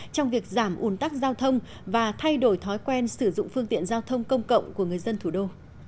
trong việc giảm ủn tắc giao thông và thay đổi thói quen sử dụng phương tiện giao thông công cộng của người dân thủ đô